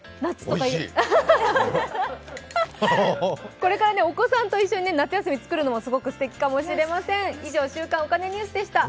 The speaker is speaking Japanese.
これからお子さんと一緒に夏休みに作るのもすてきかもしれません。